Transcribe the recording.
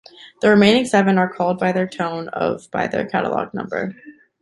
The remaining seven are called by their tone of by their catalog number.